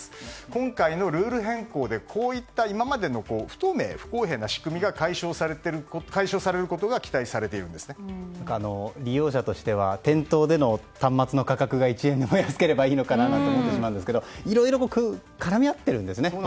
今回のルール変更でこういった今までの不透明・不公平な仕組みが解消されることが利用者としては店頭での端末の価格が１円でも安ければいいのかななんて思ってしまうんですがいろいろ絡み合ってるんですね。